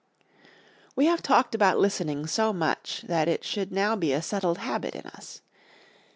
We have talked about listening so much that it should now be a settled habit in us.